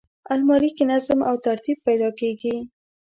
الماري کې نظم او ترتیب پیدا کېږي